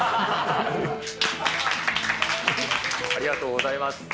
ありがとうございます。